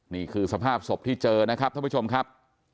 นี่คือสภาพศพที่เจอนะครับท่านผู้ชมครับ